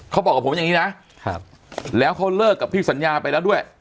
เขาบอกกับผมอย่างนี้นะแล้วเขาเลิกกับพี่สัญญาไปแล้วด้วย